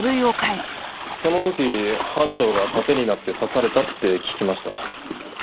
その時班長が盾になって刺されたって聞きました。